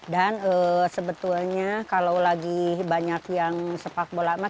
dan sebetulnya kalau lagi banyak yang sepak bolakma